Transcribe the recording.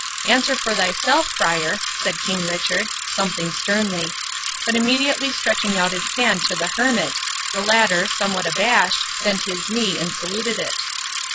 "Answer for thyself, Friar," said King Richard, something sternly; but immediately stretching out his hand to the Hermit, the latter, somewhat abashed, bent his knee, and saluted it.